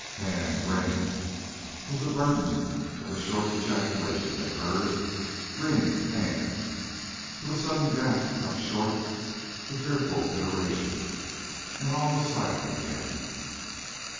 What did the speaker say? "Hand! ring!" was the burden of the short ejaculation they heard. "Ring! hand!" till a sudden gasp cut short the fearful iteration, and all was silent again.